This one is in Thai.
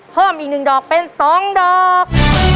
เพิ่มอีกหนึ่งดอกเป็นสองดอก